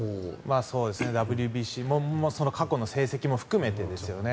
ＷＢＣも過去の成績も含めてですよね。